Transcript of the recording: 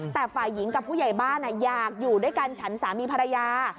แต่ฝ่ายหญิงกับผู้ใหญ่บ้านอยากอยู่ด้วยกันฉันสามีภรรยา